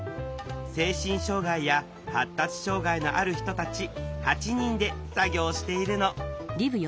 精神障害や発達障害のある人たち８人で作業しているの。